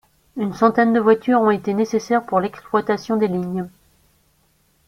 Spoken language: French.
Une centaine de voitures ont été nécessaires pour l'exploitation des lignes.